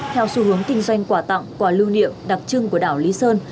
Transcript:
theo xu hướng kinh doanh quả tặng quả lưu niệm đặc trưng của đảo lý sơn